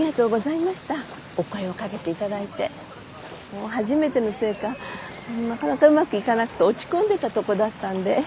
もう初めてのせいかなかなかうまくいかなくて落ち込んでたとこだったんで。